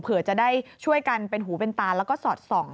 เผื่อจะได้ช่วยกันเป็นหูเป็นตาแล้วก็สอดส่อง